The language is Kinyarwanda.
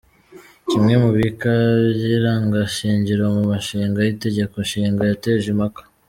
Kimwe mu bika by’Irangashingiro mu mushinga w’Itegeko Nshinga cyateje impaka.